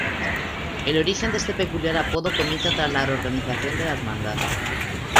El origen de este peculiar apodo comienza tras la reorganización de la Hermandad.